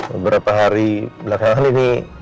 beberapa hari belakangan ini